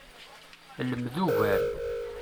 Lmed ugar.